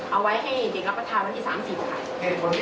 ทีนี้วันอาทิตย์หยุดแล้วก็วันจันทร์ก็หยุด